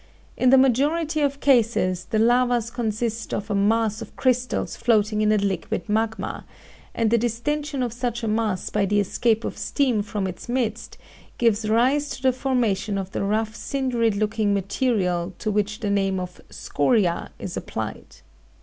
In the majority of cases the lavas consist of a mass of crystals floating in a liquid magma, and the distension of such a mass by the escape of steam from its midst gives rise to the formation of the rough cindery looking material to which the name of "scoria" is applied.